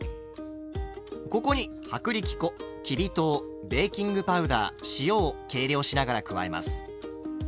ここに薄力粉きび糖ベーキングパウダー塩を計量しながら加えます。